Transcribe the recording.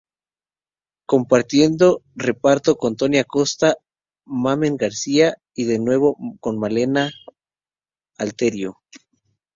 Compartiendo reparto con Toni Acosta, Mamen García y de nuevo con Malena Alterio.